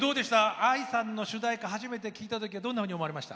ＡＩさんの主題歌を初めて聴いたときはどんなふうに思われました？